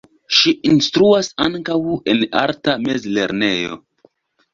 Ŝi instruas ankaŭ en arta mezlernejo.